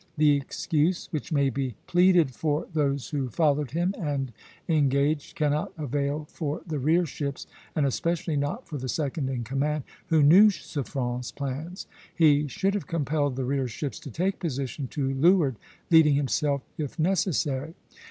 The excuse which may be pleaded for those who followed him, and engaged, cannot avail for the rear ships, and especially not for the second in command, who knew Suffren's plans. He should have compelled the rear ships to take position to leeward, leading himself, if necessary.